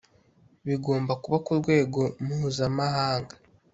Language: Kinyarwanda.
bigomba kuba kurwego muzamahanga